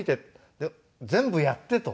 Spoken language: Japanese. で「全部やって」と。